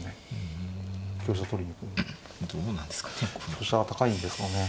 香車は高いんですかね。